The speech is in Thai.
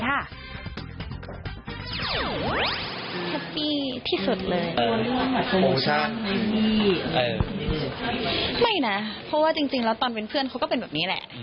แฮปปี้ที่สุดเลยนะเพราะว่าจริงแล้วตอนเป็นเพื่อนเขาก็เป็นแบบนี้แหละ